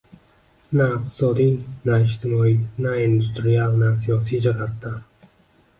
— na iqtisodiy, na ijtimoiy, na industrial, na siyosiy jihatdan.